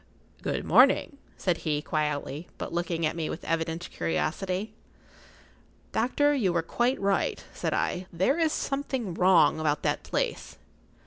"Good morning," said he, quietly, but looking at me with evident curiosity. "Doctor, you were quite right," said I. "There is something wrong about that place."